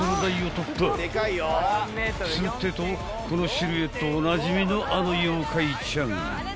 ［するってとこのシルエットおなじみのあの妖怪ちゃん］